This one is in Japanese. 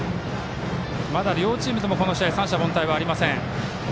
まだ両チームとも三者凡退はありません。